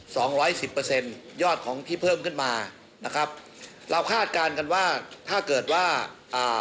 สองร้อยสิบเปอร์เซ็นต์ยอดของที่เพิ่มขึ้นมานะครับเราคาดการณ์กันว่าถ้าเกิดว่าอ่า